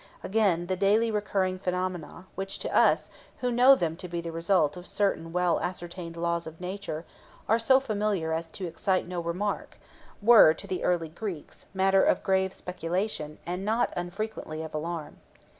Again, the daily recurring phenomena, which to us, who know them to be the result of certain well ascertained laws of nature, are so familiar as to excite no remark, were, to the early Greeks, matter of grave speculation, and not unfrequently of alarm.